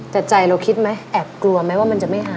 แต่ใจเราคิดไหมแอบกลัวไหมว่ามันจะไม่หาย